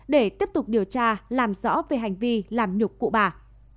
để tiếp tục điều tra làm rõ về hành vi làm nhục cụ bà